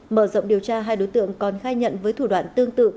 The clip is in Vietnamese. mở rộng điều tra hai đối tượng còn khai nhận với thủ đoạn tương tự